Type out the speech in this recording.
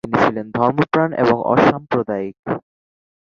তিনি ছিলেন ধর্মপ্রাণ এবং অসাম্প্রদায়িক।